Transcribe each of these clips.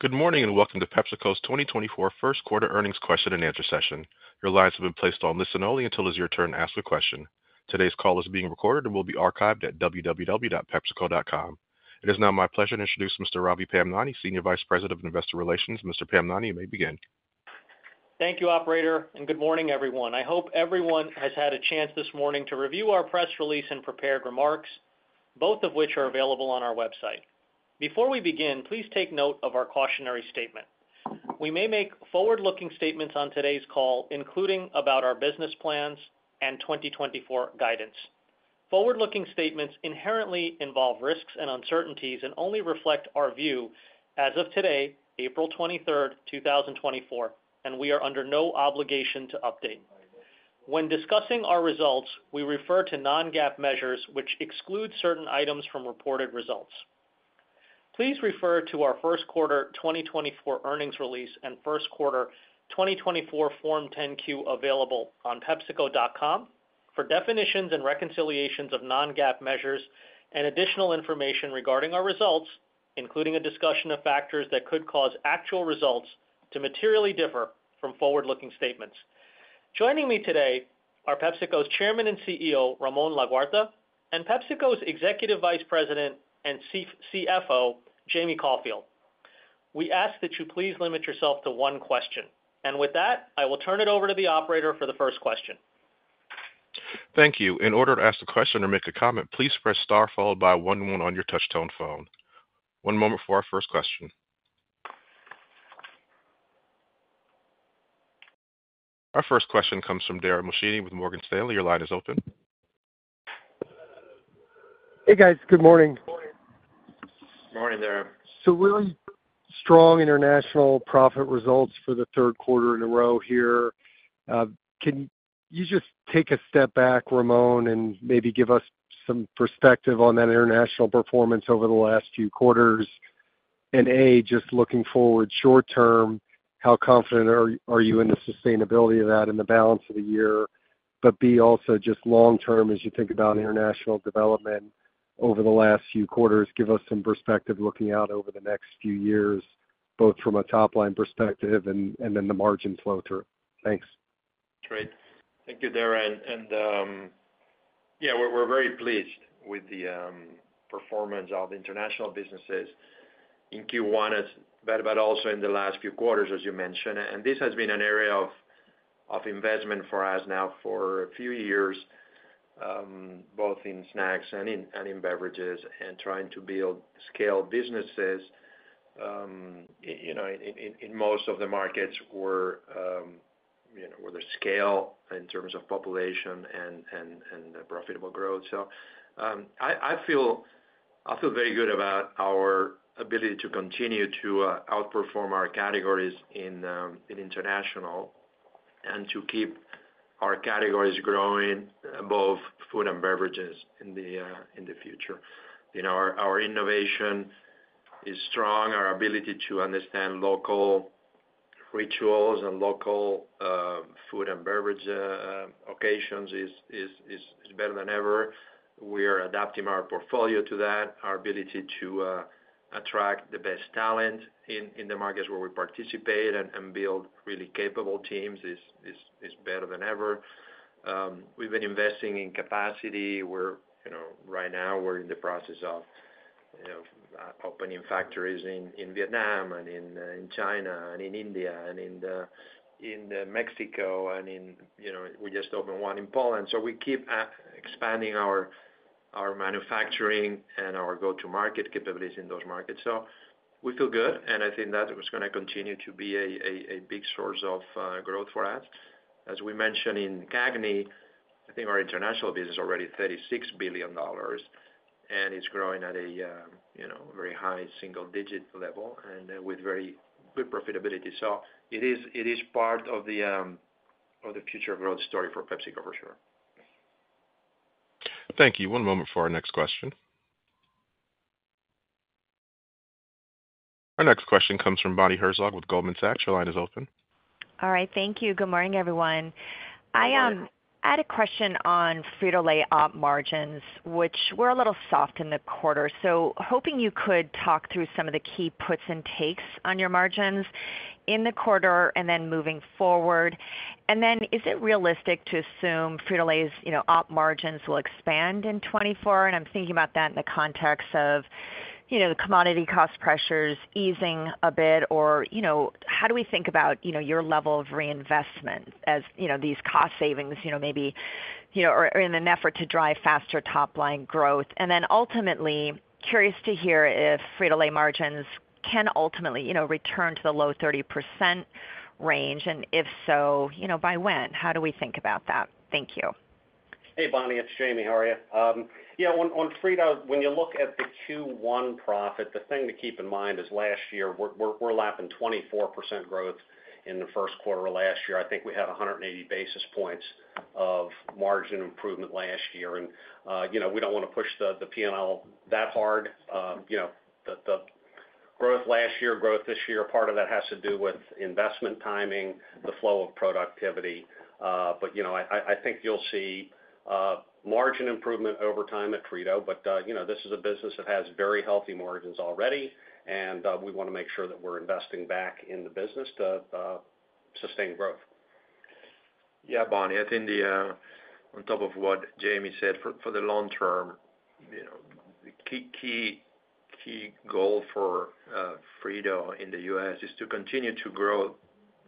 Good morning and welcome to PepsiCo's 2024 First Quarter Earnings question and answer session. Your lines have been placed on listen only until it's your turn to ask a question. Today's call is being recorded and will be archived at www.pepsico.com. It is now my pleasure to introduce Mr. Ravi Pamnani, Senior Vice President of Investor Relations. Mr. Pamnani, you may begin. Thank you, operator, and good morning, everyone. I hope everyone has had a chance this morning to review our press release and prepared remarks, both of which are available on our website. Before we begin, please take note of our cautionary statement. We may make forward-looking statements on today's call, including about our business plans and 2024 guidance. Forward-looking statements inherently involve risks and uncertainties and only reflect our view as of today, April 23, 2024, and we are under no obligation to update. When discussing our results, we refer to non-GAAP measures which exclude certain items from reported results. Please refer to our first quarter 2024 earnings release and first quarter 2024 Form 10-Q available on pepsico.com for definitions and reconciliations of non-GAAP measures and additional information regarding our results, including a discussion of factors that could cause actual results to materially differ from forward-looking statements. Joining me today are PepsiCo's Chairman and CEO Ramon Laguarta and PepsiCo's Executive Vice President and CFO Jamie Caulfield. We ask that you please limit yourself to one question, and with that, I will turn it over to the operator for the first question. Thank you. In order to ask a question or make a comment, please press star followed by 11 on your touch-tone phone. One moment for our first question. Our first question comes from Dara Mohsenian with Morgan Stanley. Your line is open. Hey, guys. Good morning. Morning, Dara. Some really strong international profit results for the third quarter in a row here. Can you just take a step back, Ramon, and maybe give us some perspective on that international performance over the last few quarters? And A, just looking forward short-term, how confident are you in the sustainability of that in the balance of the year? But B, also just long-term as you think about international development over the last few quarters, give us some perspective looking out over the next few years, both from a top-line perspective and then the margin flow through. Thanks. Great. Thank you, Dara. And yeah, we're very pleased with the performance of international businesses in Q1, but also in the last few quarters, as you mentioned. And this has been an area of investment for us now for a few years, both in snacks and in beverages, and trying to build scale businesses in most of the markets where there's scale in terms of population and profitable growth. So I feel very good about our ability to continue to outperform our categories in international and to keep our categories growing above food and beverages in the future. Our innovation is strong. Our ability to understand local rituals and local food and beverage occasions is better than ever. We are adapting our portfolio to that. Our ability to attract the best talent in the markets where we participate and build really capable teams is better than ever. We've been investing in capacity. Right now, we're in the process of opening factories in Vietnam and in China and in India and in Mexico. And we just opened one in Poland. So we keep expanding our manufacturing and our go-to-market capabilities in those markets. So we feel good, and I think that it's going to continue to be a big source of growth for us. As we mentioned in CAGNY, I think our international business is already $36 billion, and it's growing at a very high single-digit level and with very good profitability. So it is part of the future growth story for PepsiCo, for sure. Thank you. One moment for our next question. Our next question comes from Bonnie Herzog with Goldman Sachs. Your line is open. All right. Thank you. Good morning, everyone. I had a question on Frito-Lay op margins, which were a little soft in the quarter, so hoping you could talk through some of the key puts and takes on your margins in the quarter and then moving forward. And then is it realistic to assume Frito-Lay's op margins will expand in 2024? And I'm thinking about that in the context of the commodity cost pressures easing a bit, or how do we think about your level of reinvestment as these cost savings maybe are in an effort to drive faster top-line growth? And then ultimately, curious to hear if Frito-Lay margins can ultimately return to the low 30% range, and if so, by when? How do we think about that? Thank you. Hey, Bonnie. It's Jamie. How are you? Yeah, when you look at the Q1 profit, the thing to keep in mind is last year, we're lapping 24% growth in the first quarter of last year. I think we had 180 basis points of margin improvement last year, and we don't want to push the P&L that hard. The growth last year, growth this year, part of that has to do with investment timing, the flow of productivity. But I think you'll see margin improvement over time at Frito. But this is a business that has very healthy margins already, and we want to make sure that we're investing back in the business to sustain growth. Yeah, Bonnie. I think on top of what Jamie said, for the long term, the key goal for Frito-Lay in the US is to continue to grow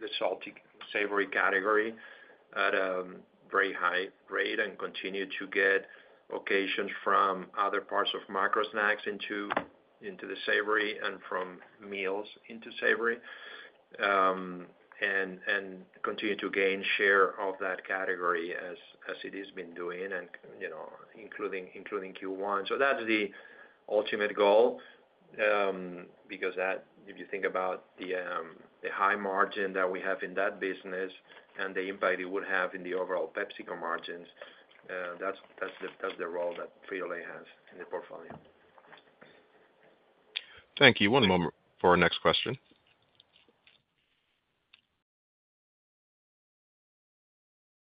the salty-savory category at a very high rate and continue to get occasions from other parts of macro snacks into the savory and from meals into savory and continue to gain share of that category as it has been doing, including Q1. So that's the ultimate goal because if you think about the high margin that we have in that business and the impact it would have in the overall PepsiCo margins, that's the role that Frito-Lay has in the portfolio. Thank you. One moment for our next question.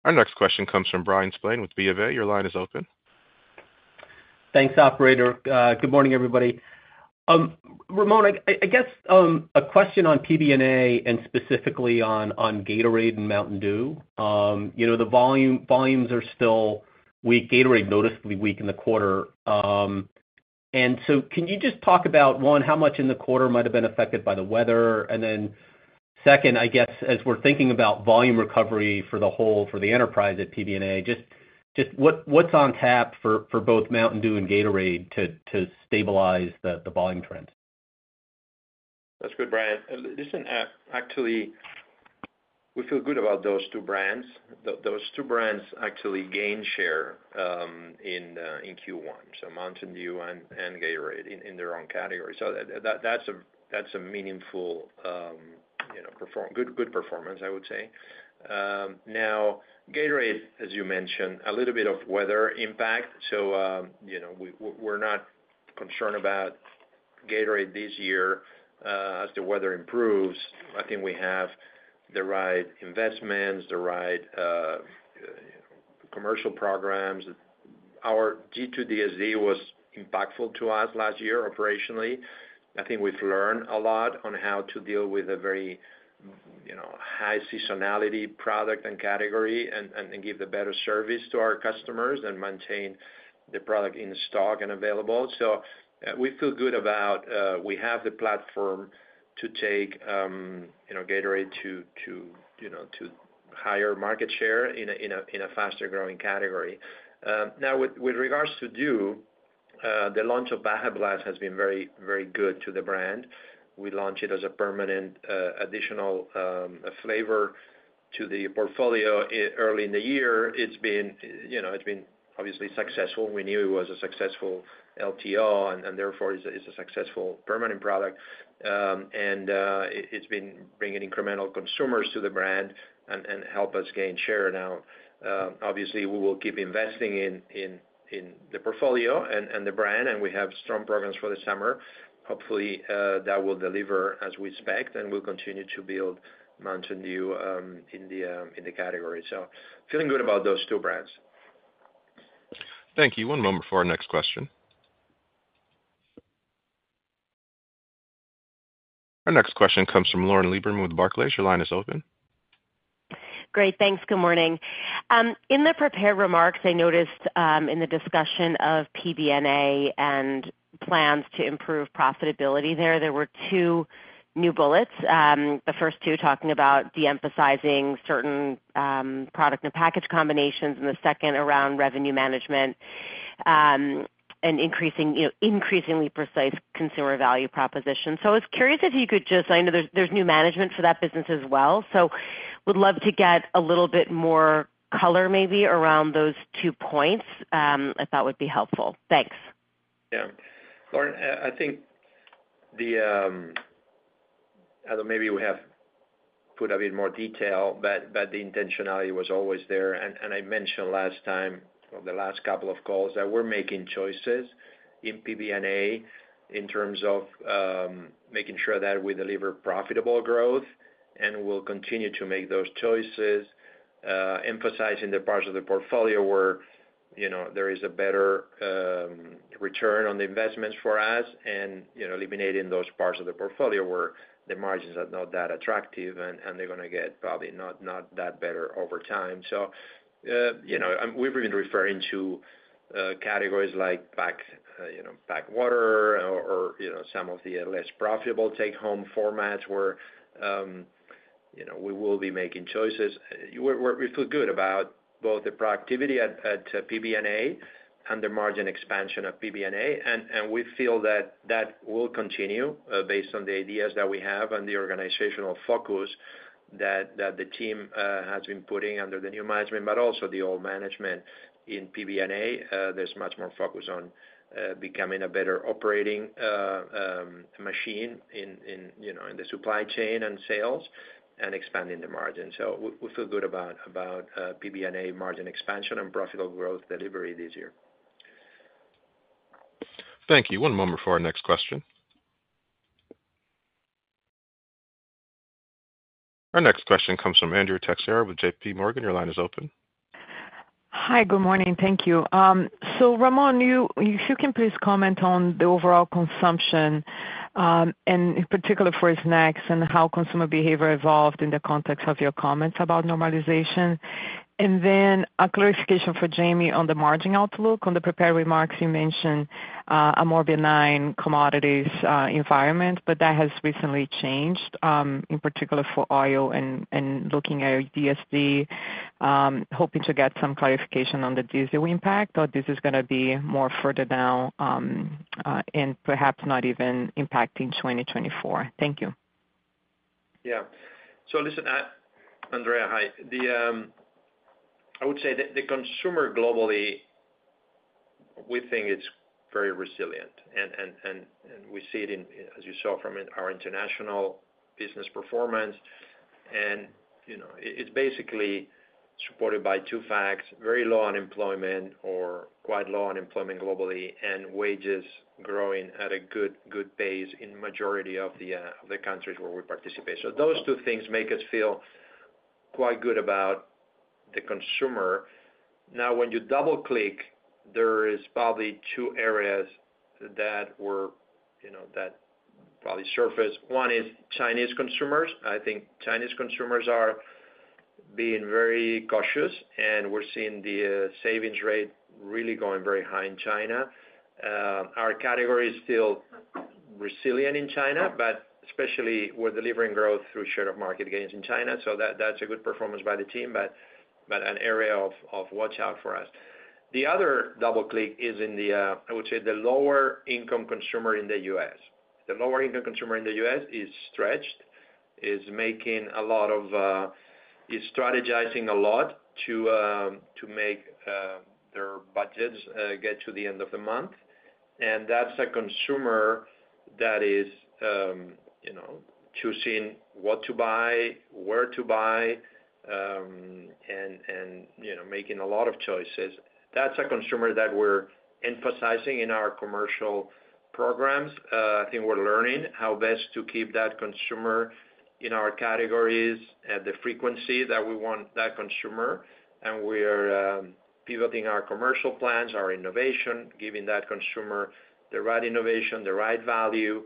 Our next question comes from Bryan Spillane with BofA. Your line is open. Thanks, operator. Good morning, everybody. Ramon, I guess a question on PBNA and specifically on Gatorade and Mountain Dew. The volumes are still weak. Gatorade noticeably weak in the quarter. And so can you just talk about, one, how much in the quarter might have been affected by the weather? And then second, I guess as we're thinking about volume recovery for the enterprise at PBNA, just what's on tap for both Mountain Dew and Gatorade to stabilize the volume trend? That's good, Bryan. Listen, actually, we feel good about those two brands. Those two brands actually gained share in Q1, so Mountain Dew and Gatorade, in their own category. So that's a meaningful good performance, I would say. Now, Gatorade, as you mentioned, a little bit of weather impact. So we're not concerned about Gatorade this year. As the weather improves, I think we have the right investments, the right commercial programs. Our G2DSD was impactful to us last year operationally. I think we've learned a lot on how to deal with a very high seasonality product and category and give the better service to our customers and maintain the product in stock and available. So we feel good about we have the platform to take Gatorade to higher market share in a faster-growing category. Now, with regards to Dew, the launch of Baja Blast has been very, very good to the brand. We launched it as a permanent additional flavor to the portfolio early in the year. It's been obviously successful. We knew it was a successful LTO, and therefore, it's a successful permanent product. And it's been bringing incremental consumers to the brand and help us gain share. Now, obviously, we will keep investing in the portfolio and the brand, and we have strong programs for the summer. Hopefully, that will deliver as we expect, and we'll continue to build Mountain Dew in the category. So feeling good about those two brands. Thank you. One moment for our next question. Our next question comes from Lauren Lieberman with Barclays. Your line is open. Great. Thanks. Good morning. In the prepared remarks, I noticed in the discussion of PBNA and plans to improve profitability there, there were two new bullets. The first two talking about de-emphasizing certain product and package combinations, and the second around revenue management and increasingly precise consumer value propositions. So I was curious if you could just I know there's new management for that business as well, so would love to get a little bit more color maybe around those two points. I thought would be helpful. Thanks. Yeah. Lauren, I think, though, although maybe we have put a bit more detail, but the intentionality was always there. And I mentioned last time or the last couple of calls that we're making choices in PBNA in terms of making sure that we deliver profitable growth, and we'll continue to make those choices, emphasizing the parts of the portfolio where there is a better return on the investments for us and eliminating those parts of the portfolio where the margins are not that attractive and they're going to get probably not that better over time. So we've been referring to categories like packaged water or some of the less profitable take-home formats where we will be making choices. We feel good about both the productivity at PBNA and the margin expansion at PBNA, and we feel that that will continue based on the ideas that we have and the organizational focus that the team has been putting under the new management, but also the old management in PBNA. There's much more focus on becoming a better operating machine in the supply chain and sales and expanding the margins. So we feel good about PBNA margin expansion and profitable growth delivery this year. Thank you. One moment for our next question. Our next question comes from Andrea Teixeira with J.P. Morgan. Your line is open. Hi. Good morning. Thank you. So Ramon, if you can please comment on the overall consumption and in particular for snacks and how consumer behavior evolved in the context of your comments about normalization. And then a clarification for Jamie on the margin outlook. On the prepared remarks, you mentioned a more benign commodities environment, but that has recently changed, in particular for oil and looking at DSD, hoping to get some clarification on the diesel impact or this is going to be more further down and perhaps not even impacting 2024. Thank you. Yeah. So listen, Andrea, hi. I would say the consumer globally, we think it's very resilient, and we see it, as you saw, from our international business performance. And it's basically supported by two facts: very low unemployment or quite low unemployment globally and wages growing at a good pace in the majority of the countries where we participate. So those two things make us feel quite good about the consumer. Now, when you double-click, there is probably two areas that probably surface. One is Chinese consumers. I think Chinese consumers are being very cautious, and we're seeing the savings rate really going very high in China. Our category is still resilient in China, but especially, we're delivering growth through share of market gains in China. So that's a good performance by the team, but an area of watch-out for us. The other double-click is in the, I would say, the lower-income consumer in the U.S. The lower-income consumer in the U.S. is stretched, is making a lot of strategizing a lot to make their budgets get to the end of the month. That's a consumer that is choosing what to buy, where to buy, and making a lot of choices. That's a consumer that we're emphasizing in our commercial programs. I think we're learning how best to keep that consumer in our categories, the frequency that we want that consumer, and we are pivoting our commercial plans, our innovation, giving that consumer the right innovation, the right value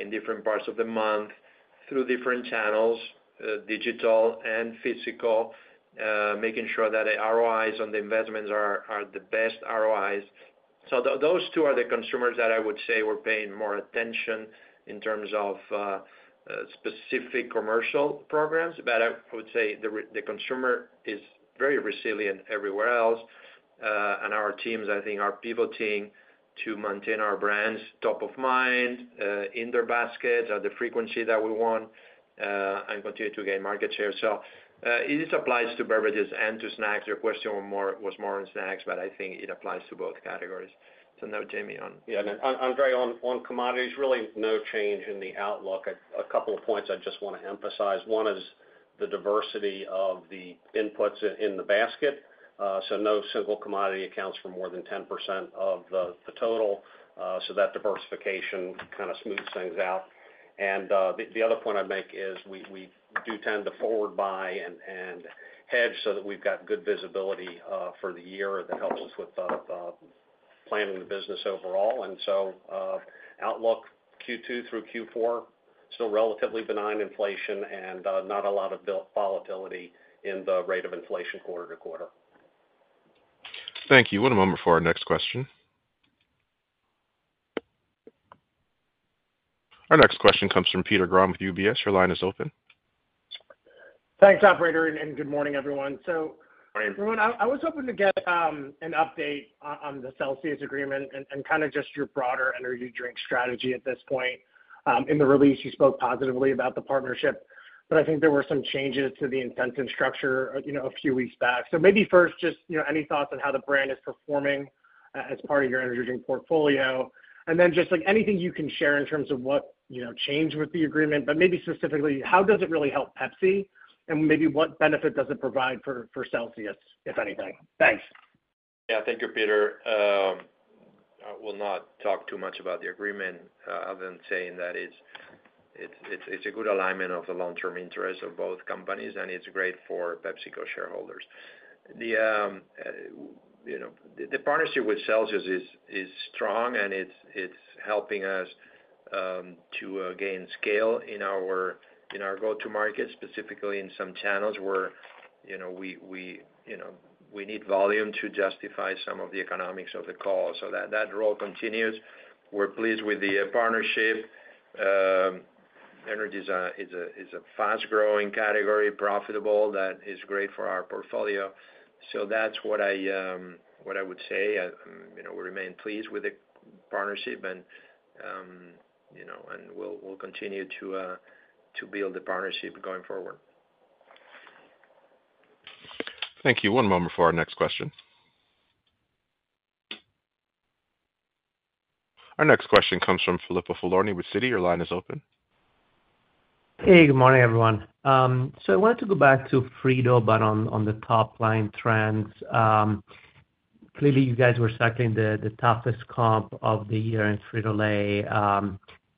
in different parts of the month through different channels, digital and physical, making sure that the ROIs on the investments are the best ROIs. So, those two are the consumers that I would say we're paying more attention in terms of specific commercial programs. But I would say the consumer is very resilient everywhere else, and our teams, I think, are pivoting to maintain our brands top of mind in their baskets at the frequency that we want and continue to gain market share. So it applies to beverages and to snacks. Your question was more on snacks, but I think it applies to both categories. So no, Jamie, on. Yeah. Andrea, on commodities, really no change in the outlook. A couple of points I just want to emphasize. One is the diversity of the inputs in the basket. So no single commodity accounts for more than 10% of the total. So that diversification kind of smooths things out. And the other point I'd make is we do tend to forward buy and hedge so that we've got good visibility for the year. That helps us with planning the business overall. And so outlook Q2 through Q4, still relatively benign inflation and not a lot of volatility in the rate of inflation quarter to quarter. Thank you. One moment for our next question. Our next question comes from Peter Grom with UBS. Your line is open. Thanks, operator, and good morning, everyone. So Ramon, I was hoping to get an update on the Celsius agreement and kind of just your broader energy drink strategy at this point. In the release, you spoke positively about the partnership, but I think there were some changes to the incentive structure a few weeks back. So maybe first, just any thoughts on how the brand is performing as part of your energy drink portfolio? And then just anything you can share in terms of what changed with the agreement, but maybe specifically, how does it really help Pepsi, and maybe what benefit does it provide for Celsius, if anything? Thanks. Yeah. Thank you, Peter. I will not talk too much about the agreement other than saying that it's a good alignment of the long-term interests of both companies, and it's great for PepsiCo shareholders. The partnership with Celsius is strong, and it's helping us to gain scale in our go-to markets, specifically in some channels where we need volume to justify some of the economics of the call. So that role continues. We're pleased with the partnership. Energy is a fast-growing category, profitable. That is great for our portfolio. So that's what I would say. We remain pleased with the partnership, and we'll continue to build the partnership going forward. Thank you. One moment for our next question. Our next question comes from Filippo Falorni with Citi. Your line is open. Hey. Good morning, everyone. So I wanted to go back to Frito, but on the top-line trends. Clearly, you guys were cycling the toughest comp of the year in Frito-Lay.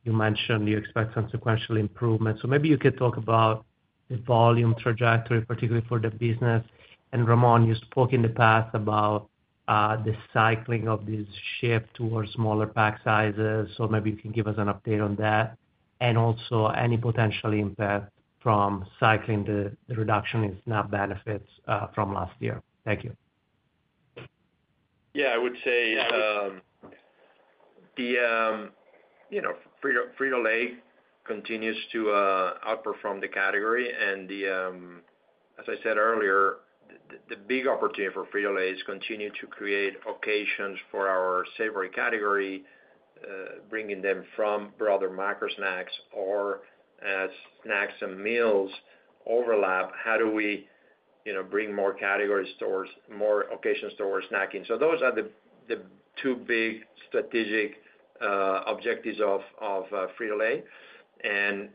You mentioned you expect some sequential improvements. So maybe you could talk about the volume trajectory, particularly for the business. And Ramon, you spoke in the past about the cycling of this shift towards smaller pack sizes. So maybe you can give us an update on that and also any potential impact from cycling the reduction in SNAP benefits from last year. Thank you. Yeah. I would say the Frito-Lay continues to outperform the category. As I said earlier, the big opportunity for Frito-Lay is to continue to create occasions for our savory category, bringing them from broader macro snacks or as snacks and meals overlap. How do we bring more occasions towards snacking? Those are the two big strategic objectives of Frito-Lay.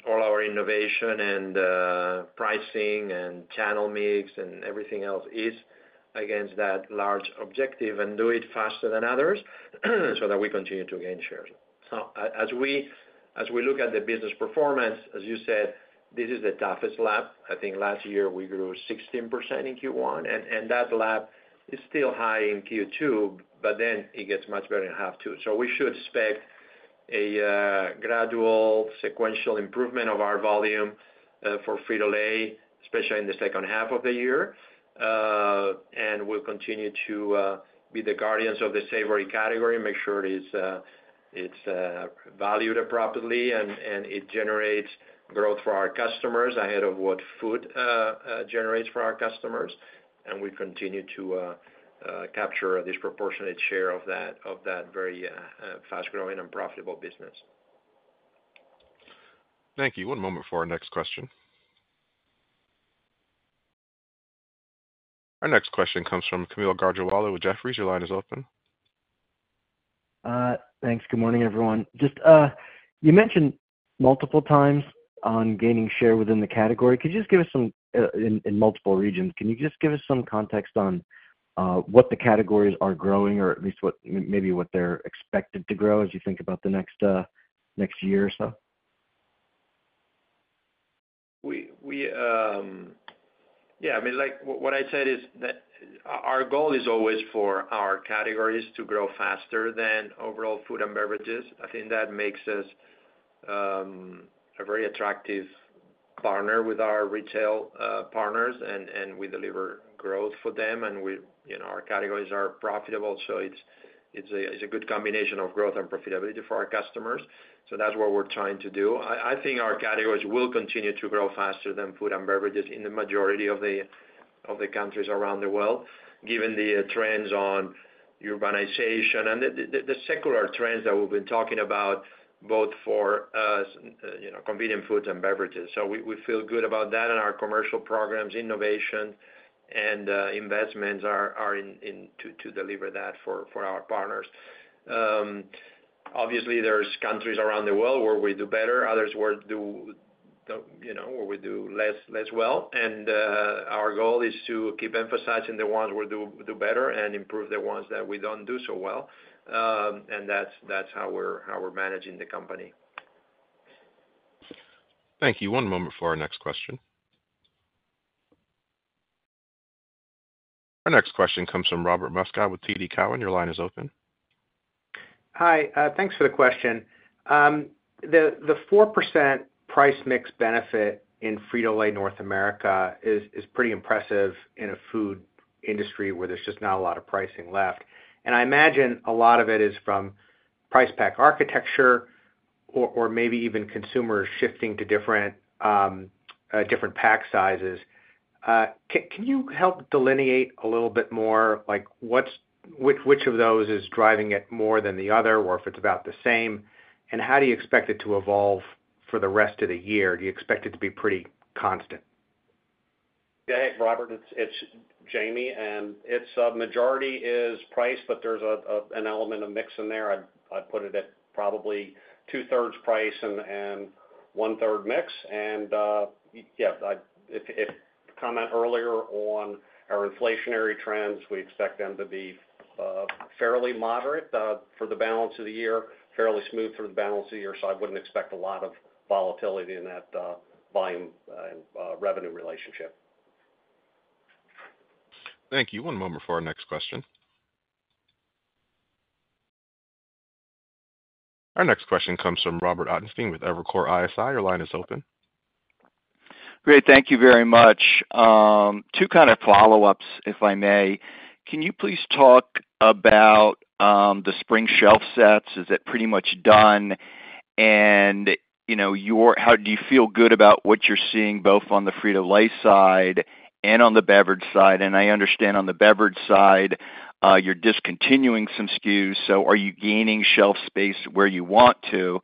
All our innovation and pricing and channel mix and everything else is against that large objective and do it faster than others so that we continue to gain shares. As we look at the business performance, as you said, this is the toughest lap. I think last year, we grew 16% in Q1, and that lap is still high in Q2, but then it gets much better in half two. We should expect a gradual, sequential improvement of our volume for Frito-Lay, especially in the second half of the year. We'll continue to be the guardians of the savory category, make sure it's valued appropriately, and it generates growth for our customers ahead of what food generates for our customers. We continue to capture a disproportionate share of that very fast-growing and profitable business. Thank you. One moment for our next question. Our next question comes from Kaumil Gajrawala with Jefferies. Your line is open. Thanks. Good morning, everyone. Just you mentioned multiple times on gaining share within the category. Could you just give us some in multiple regions, can you just give us some context on what the categories are growing or at least maybe what they're expected to grow as you think about the next year or so? Yeah. I mean, what I said is that our goal is always for our categories to grow faster than overall food and beverages. I think that makes us a very attractive partner with our retail partners, and we deliver growth for them. And our categories are profitable, so it's a good combination of growth and profitability for our customers. So that's what we're trying to do. I think our categories will continue to grow faster than food and beverages in the majority of the countries around the world, given the trends on urbanization and the secular trends that we've been talking about both for convenient foods and beverages. So we feel good about that, and our commercial programs, innovation, and investments are in to deliver that for our partners. Obviously, there's countries around the world where we do better, others where we do less well. Our goal is to keep emphasizing the ones where we do better and improve the ones that we don't do so well. And that's how we're managing the company. Thank you. One moment for our next question. Our next question comes from Robert Moskow with TD Cowen. Your line is open. Hi. Thanks for the question. The 4% price mix benefit in Frito-Lay North America is pretty impressive in a food industry where there's just not a lot of pricing left. I imagine a lot of it is from price pack architecture or maybe even consumers shifting to different pack sizes. Can you help delineate a little bit more? Which of those is driving it more than the other, or if it's about the same, and how do you expect it to evolve for the rest of the year? Do you expect it to be pretty constant? Yeah. Hey, Robert. It's Jamie, and the majority is price, but there's an element of mix in there. I'd put it at probably 2/3 price and 1/3 mix. And yeah, as I commented earlier on our inflationary trends, we expect them to be fairly moderate for the balance of the year, fairly smooth through the balance of the year. So I wouldn't expect a lot of volatility in that volume and revenue relationship. Thank you. One moment for our next question. Our next question comes from Robert Ottenstein with Evercore ISI. Your line is open. Great. Thank you very much. Two kind of follow-ups, if I may. Can you please talk about the spring shelf sets? Is it pretty much done? And do you feel good about what you're seeing both on the Frito-Lay side and on the beverage side? And I understand on the beverage side, you're discontinuing some SKUs. So are you gaining shelf space where you want to?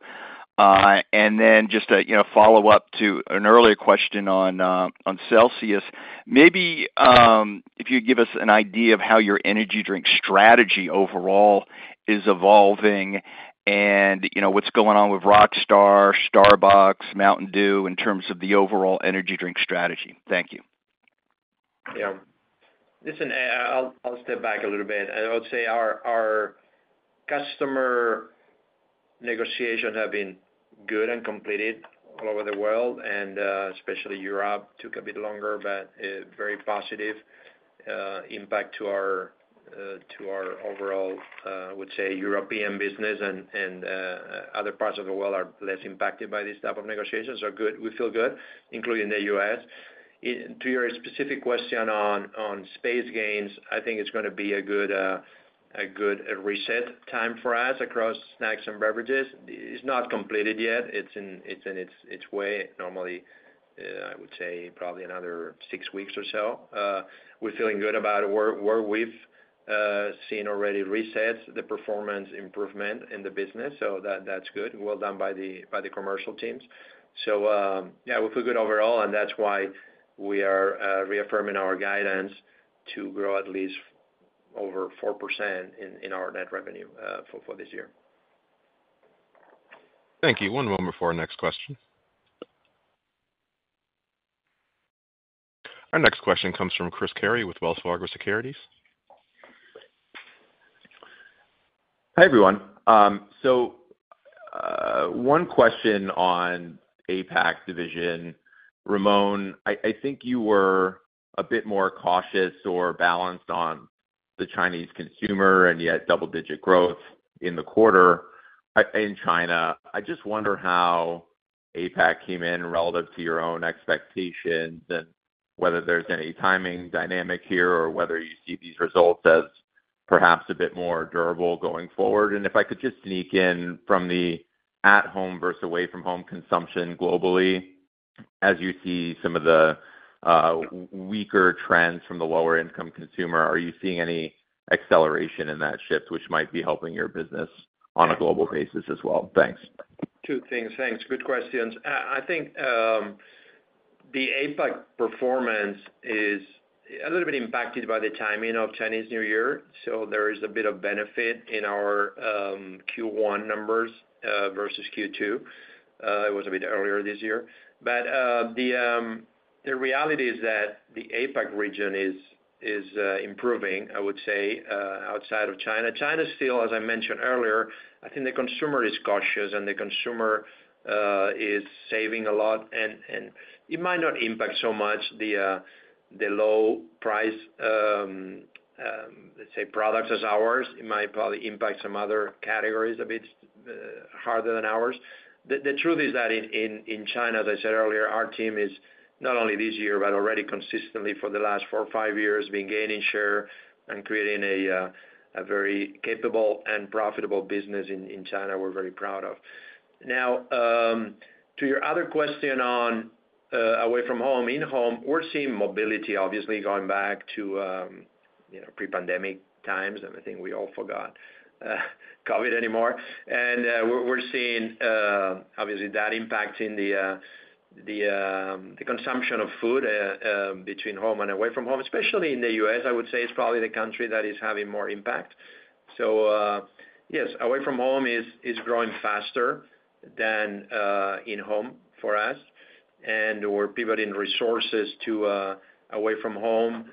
And then just a follow-up to an earlier question on Celsius, maybe if you could give us an idea of how your energy drink strategy overall is evolving and what's going on with Rockstar, Starbucks, Mountain Dew in terms of the overall energy drink strategy. Thank you. Yeah. Listen, I'll step back a little bit. I would say our customer negotiations have been good and completed all over the world, and especially Europe took a bit longer, but a very positive impact to our overall, I would say, European business. And other parts of the world are less impacted by this type of negotiations. So we feel good, including the U.S. To your specific question on space gains, I think it's going to be a good reset time for us across snacks and beverages. It's not completed yet. It's in its way. Normally, I would say probably another six weeks or so. We're feeling good about it. We're seeing already resets, the performance improvement in the business. So that's good. Well done by the commercial teams. So yeah, we feel good overall, and that's why we are reaffirming our guidance to grow at least over 4% in our net revenue for this year. Thank you. One moment for our next question. Our next question comes from Chris Carey with Wells Fargo Securities. Hi, everyone. So one question on APAC division. Ramon, I think you were a bit more cautious or balanced on the Chinese consumer and yet double-digit growth in China. I just wonder how APAC came in relative to your own expectations and whether there's any timing dynamic here or whether you see these results as perhaps a bit more durable going forward. If I could just sneak in from the at-home versus away-from-home consumption globally, as you see some of the weaker trends from the lower-income consumer, are you seeing any acceleration in that shift, which might be helping your business on a global basis as well? Thanks. Two things. Thanks. Good questions. I think the APAC performance is a little bit impacted by the timing of Chinese New Year. So there is a bit of benefit in our Q1 numbers versus Q2. It was a bit earlier this year. But the reality is that the APAC region is improving, I would say, outside of China. China still, as I mentioned earlier, I think the consumer is cautious, and the consumer is saving a lot. And it might not impact so much the low-price, let's say, products as ours. It might probably impact some other categories a bit harder than ours. The truth is that in China, as I said earlier, our team is not only this year but already consistently for the last four or five years been gaining share and creating a very capable and profitable business in China we're very proud of. Now, to your other question on away-from-home, in-home, we're seeing mobility, obviously, going back to pre-pandemic times. And I think we all forgot COVID anymore. And we're seeing, obviously, that impacting the consumption of food between home and away-from-home. Especially in the U.S., I would say it's probably the country that is having more impact. So yes, away-from-home is growing faster than in-home for us. And we're pivoting resources to away-from-home,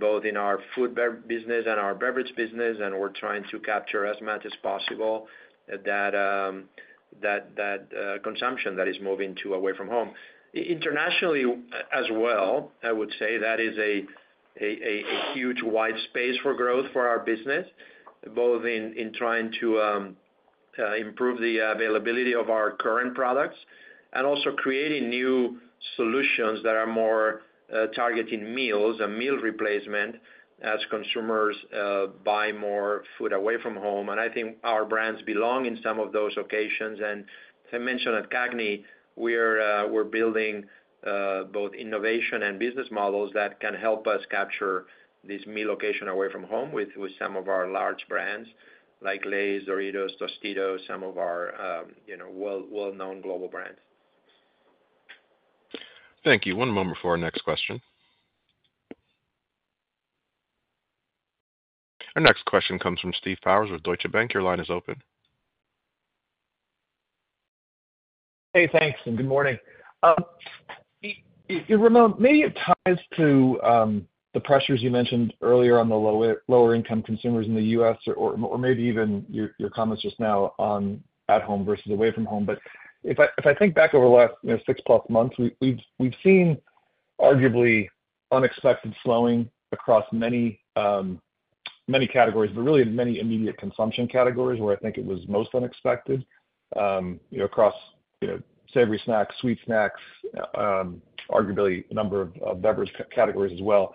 both in our food business and our beverage business. And we're trying to capture as much as possible that consumption that is moving to away-from-home. Internationally as well, I would say that is a huge white space for growth for our business, both in trying to improve the availability of our current products and also creating new solutions that are more targeting meals and meal replacement as consumers buy more food away-from-home. I think our brands belong in some of those occasions. As I mentioned at CAGNY, we're building both innovation and business models that can help us capture this meal occasion away-from-home with some of our large brands like Lay's, Doritos, Tostitos, some of our well-known global brands. Thank you. One moment for our next question. Our next question comes from Steve Powers with Deutsche Bank. Your line is open. Hey. Thanks. And good morning. Ramon, maybe it ties to the pressures you mentioned earlier on the lower-income consumers in the U.S. or maybe even your comments just now on at-home versus away-from-home. But if I think back over the last 6-plus months, we've seen arguably unexpected slowing across many categories, but really many immediate consumption categories where I think it was most unexpected across savory snacks, sweet snacks, arguably a number of beverage categories as well.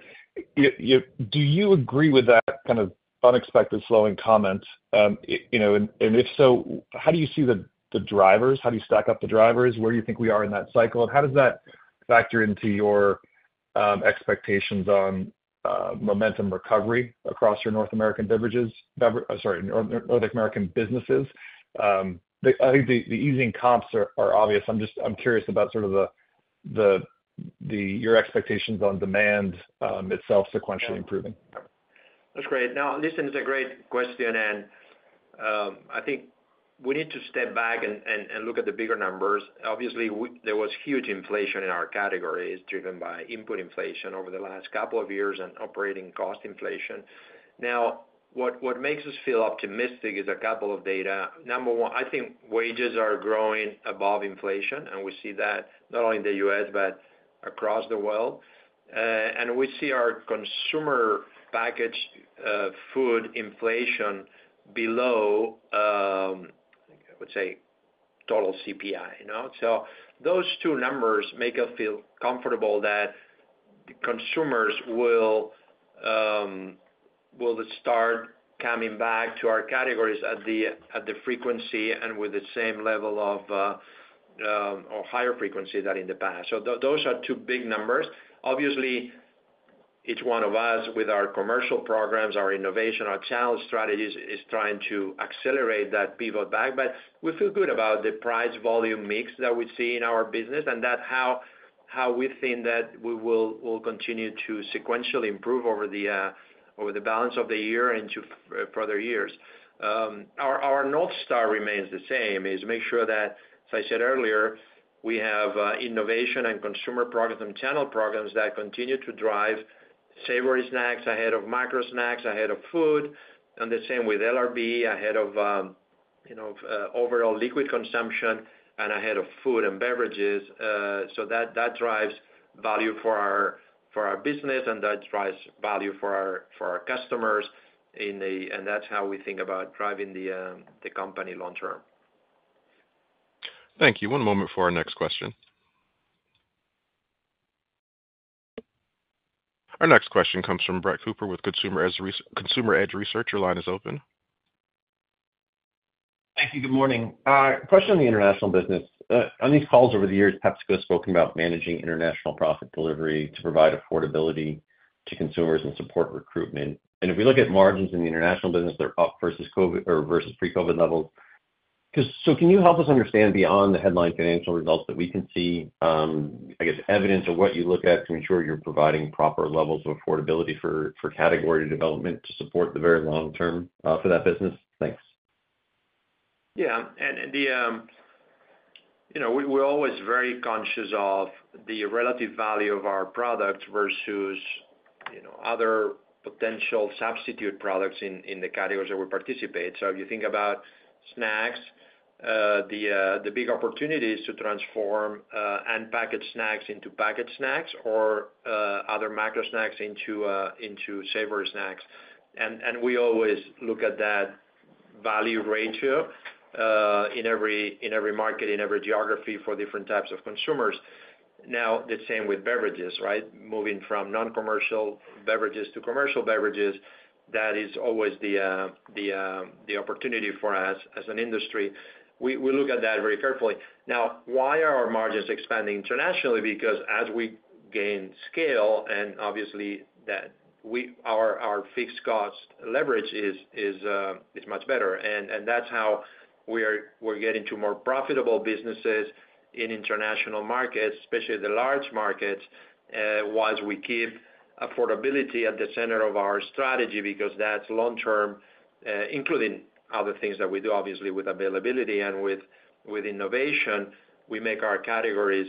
Do you agree with that kind of unexpected slowing comment? And if so, how do you see the drivers? How do you stack up the drivers? Where do you think we are in that cycle? And how does that factor into your expectations on momentum recovery across your North American beverages sorry, North American businesses? I think the easing comps are obvious. I'm curious about sort of your expectations on demand itself sequentially improving. That's great. Now, this is a great question, and I think we need to step back and look at the bigger numbers. Obviously, there was huge inflation in our categories driven by input inflation over the last couple of years and operating cost inflation. Now, what makes us feel optimistic is a couple of data. Number one, I think wages are growing above inflation, and we see that not only in the U.S. but across the world. And we see our consumer packaged food inflation below, I would say, total CPI. So those two numbers make us feel comfortable that consumers will start coming back to our categories at the frequency and with the same level of or higher frequency than in the past. So those are two big numbers. Obviously, it's one of us with our commercial programs, our innovation, our challenge strategies is trying to accelerate that pivot back. But we feel good about the price-volume mix that we see in our business and how we think that we will continue to sequentially improve over the balance of the year into further years. Our North Star remains the same, is make sure that, as I said earlier, we have innovation and consumer programs and channel programs that continue to drive savory snacks ahead of macro snacks, ahead of food. And the same with LRB, ahead of overall liquid consumption and ahead of food and beverages. So that drives value for our business, and that drives value for our customers. And that's how we think about driving the company long term. Thank you. One moment for our next question. Our next question comes from Brett Cooper with Consumer Edge Research. Your line is open. Thank you. Good morning. Question on the international business. On these calls over the years, PepsiCo has spoken about managing international profit delivery to provide affordability to consumers and support recruitment. And if we look at margins in the international business, they're up versus pre-COVID levels. So can you help us understand beyond the headline financial results that we can see, I guess, evidence or what you look at to ensure you're providing proper levels of affordability for category development to support the very long term for that business? Thanks. Yeah. We're always very conscious of the relative value of our product versus other potential substitute products in the categories that we participate. If you think about snacks, the big opportunity is to transform unpackaged snacks into packaged snacks or other macro snacks into savory snacks. We always look at that value ratio in every market, in every geography for different types of consumers. Now, the same with beverages, right? Moving from non-commercial beverages to commercial beverages, that is always the opportunity for us as an industry. We look at that very carefully. Now, why are our margins expanding internationally? Because as we gain scale, and obviously, our fixed cost leverage is much better. That's how we're getting to more profitable businesses in international markets, especially the large markets, while we keep affordability at the center of our strategy because that's long term, including other things that we do, obviously, with availability and with innovation. We make our categories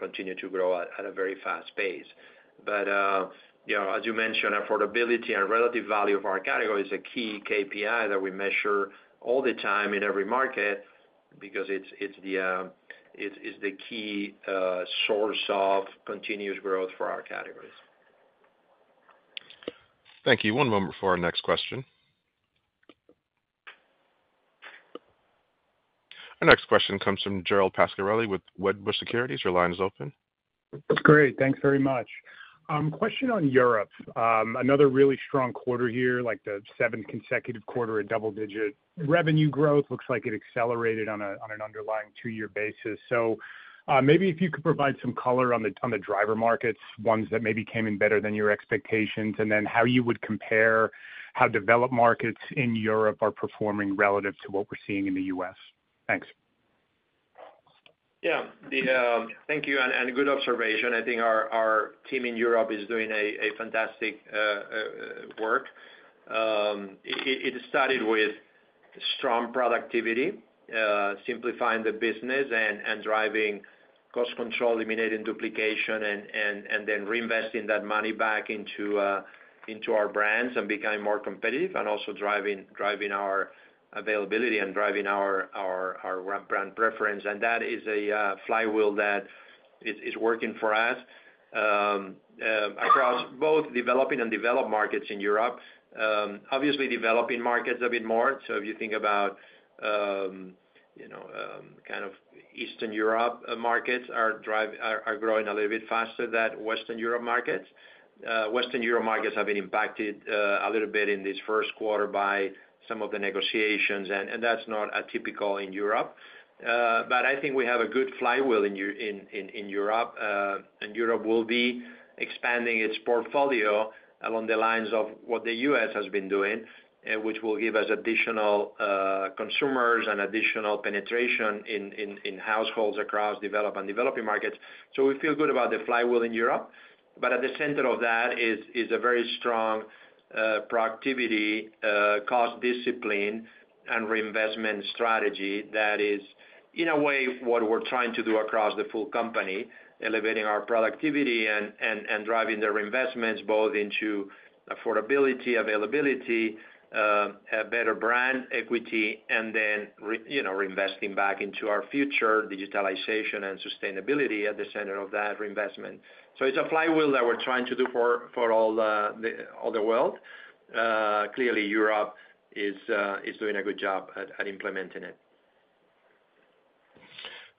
continue to grow at a very fast pace. But as you mentioned, affordability and relative value of our category is a key KPI that we measure all the time in every market because it's the key source of continuous growth for our categories. Thank you. One moment for our next question. Our next question comes from Gerald Pascarelli with Wedbush Securities. Your line is open. That's great. Thanks very much. Question on Europe. Another really strong quarter here, like the seventh consecutive quarter at double-digit. Revenue growth looks like it accelerated on an underlying two-year basis. So maybe if you could provide some color on the driver markets, ones that maybe came in better than your expectations, and then how you would compare how developed markets in Europe are performing relative to what we're seeing in the US? Thanks. Yeah. Thank you. Good observation. I think our team in Europe is doing fantastic work. It started with strong productivity, simplifying the business, and driving cost control, eliminating duplication, and then reinvesting that money back into our brands and becoming more competitive, and also driving our availability and driving our brand preference. That is a flywheel that is working for us across both developing and developed markets in Europe. Obviously, developing markets a bit more. So if you think about kind of Eastern Europe markets are growing a little bit faster than Western Europe markets. Western Europe markets have been impacted a little bit in this first quarter by some of the negotiations, and that's not typical in Europe. But I think we have a good flywheel in Europe, and Europe will be expanding its portfolio along the lines of what the U.S. has been doing, which will give us additional consumers and additional penetration in households across developed and developing markets. So we feel good about the flywheel in Europe. But at the center of that is a very strong productivity, cost discipline, and reinvestment strategy that is, in a way, what we're trying to do across the full company, elevating our productivity and driving the reinvestments both into affordability, availability, better brand equity, and then reinvesting back into our future, digitalization, and sustainability at the center of that reinvestment. So it's a flywheel that we're trying to do for all the world. Clearly, Europe is doing a good job at implementing it.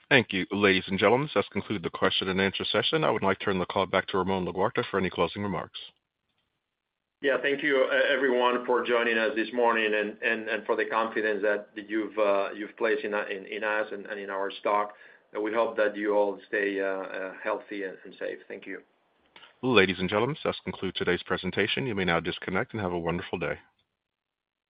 Thank you, ladies and gentlemen. That's concluded the question and answer session. I would like to turn the call back to Ramon Laguarta for any closing remarks. Yeah. Thank you, everyone, for joining us this morning and for the confidence that you've placed in us and in our stock. We hope that you all stay healthy and safe. Thank you. Ladies and gentlemen, that's concluded today's presentation. You may now disconnect and have a wonderful day.